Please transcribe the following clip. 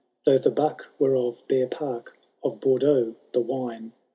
Though the buck were of Bearpark, of Bourdeaux the vine.